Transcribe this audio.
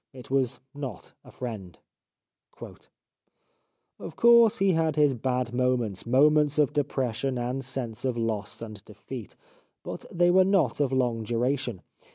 It was not a friend, " Of course, he had his bad moments, moments of depression and sense of loss and defeat, but they were not of long duration.